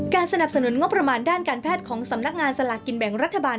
สนับสนุนงบประมาณด้านการแพทย์ของสำนักงานสลากกินแบ่งรัฐบาล